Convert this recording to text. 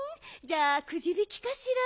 じゃあくじびきかしら？